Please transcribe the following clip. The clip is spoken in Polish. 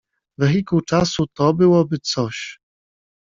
wehikuł czasu to byłoby coś